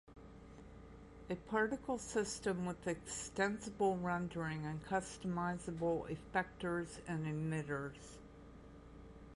A particle system with extensible rendering and customizable effectors and emitters.